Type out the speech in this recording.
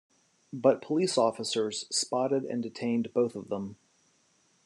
But police officers spotted and detained both of them.